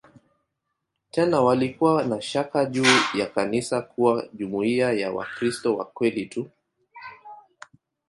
Tena walikuwa na shaka juu ya kanisa kuwa jumuiya ya "Wakristo wa kweli tu".